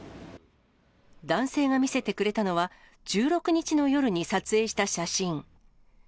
男性が見せてくれたのは、１６日の夜に撮影した写真。